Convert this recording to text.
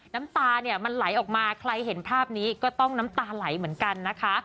น้ำตาเนี่ยมันไหลออกมาใครเห็นภาพนี้ก็ต้องน้ำตาไหลเหมือนกันนะคะ